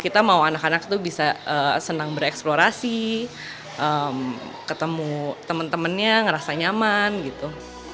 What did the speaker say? kita mau anak anak itu bisa senang bereksplorasi ketemu teman temannya ngerasa nyaman gitu